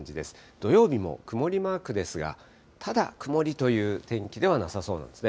土曜日も曇りマークですが、ただ曇りという天気ではなさそうなんですね。